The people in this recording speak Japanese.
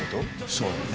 そうだね。